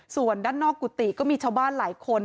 ส่วนด้านนอกกุฏิก็มีชาวบ้านหลายคน